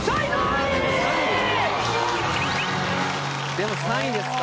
でも３位ですか。